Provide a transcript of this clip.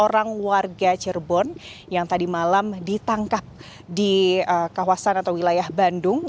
keluarga cerbon yang tadi malam ditangkap di kawasan atau wilayah bandung